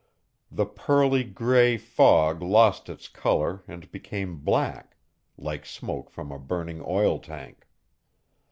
The pearly gray fog lost its color and became black, like smoke from a burning oil tank.